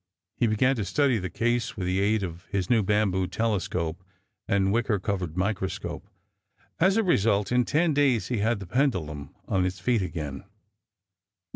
He began to study the case with the aid of his new bamboo telescope and wicker covered microscope. As a result, in ten days he had the pendulum on its feet again.